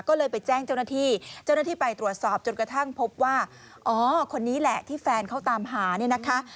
ก็เลยไปแจ้งเจ้าหน้าที่เจ้าหน้าที่ไปตรวจสอบจนกระทั่งพบว่าอ๋อคนนี้แหละที่แฟนเขาตามหาเนี่ยนะคะ